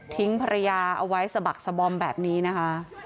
ภรรยาเอาไว้สะบักสะบอมแบบนี้นะคะ